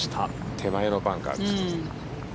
手前のバンカー。